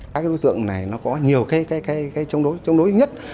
các đối tượng này có nhiều cái chống đối nhất